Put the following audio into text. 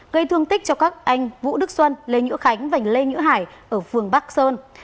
gây thương tích cho các anh vũ đức xuân lê nhữ khánh và lê nhữ hải ở phường bắc sơn